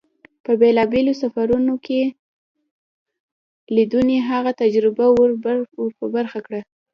په بېلابېلو سفرون کې لیدنو هغه ته تجربه ور په برخه کړه.